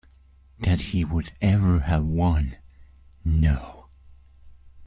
That he would ever have one - no.